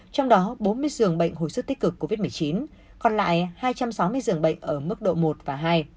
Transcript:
trong đó bốn mươi giường bệnh hồi sức tích cực covid một mươi chín còn lại hai trăm sáu mươi giường bệnh ở mức độ một và hai